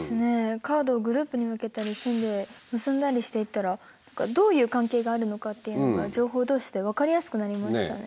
カードをグループに分けたり線で結んだりしていったらどういう関係があるのかっていうのが情報どうしで分かりやすくなりましたね。